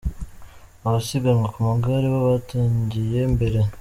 Abasiganwa ku magare bo batangiye mbere.